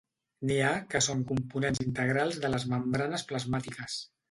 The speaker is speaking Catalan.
N'hi ha que són components integrals de les membranes plasmàtiques.